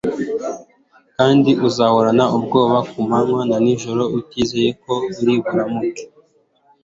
kandi uzahorana ubwoba ku manywa na nijoro, utizeye ko uri buramuke